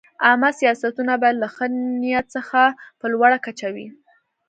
عامه سیاستونه باید له ښه نیت څخه په لوړه کچه وي.